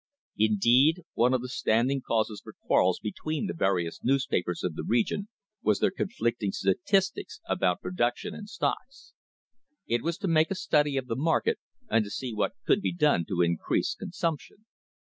Indeed, one of the stand ing causes for quarrels between the various newspapers of the region was their conflicting statistics about production and stocks. It was to make a study of the market and see what could be done to increase consumption.